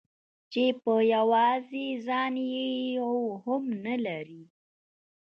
چې په يوازې ځان يې يو هم نه لري.